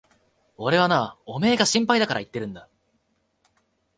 俺はな、おめえが心配だから言ってるんだ。